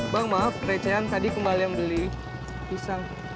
bang maaf recep tadi kembali yang beli pisang